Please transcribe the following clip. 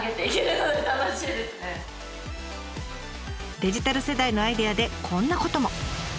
デジタル世代のアイデアでこんなことも。